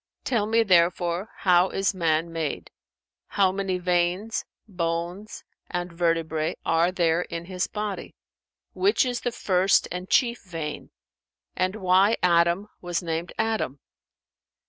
Tell me, therefore, how is man made; how many veins, bones and vertebrae are there in his body; which is the first and chief vein and why Adam was named Adam?"